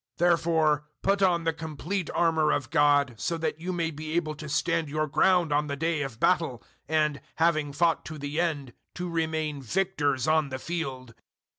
006:013 Therefore put on the complete armour of God, so that you may be able to stand your ground on the day of battle, and, having fought to the end, to remain victors on the field.